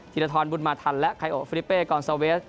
ธีรธรบุรมาธรและไคโอฟิลิเปกอนซาเวส